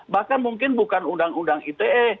bahkan mungkin bukan undang undang ite